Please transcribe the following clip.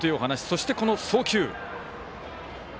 そして、この送球。